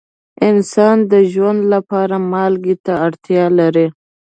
انسان د ژوند لپاره مالګې ته اړتیا لري.